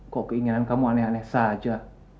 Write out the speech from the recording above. kok keinginan kamu aneh aneh saja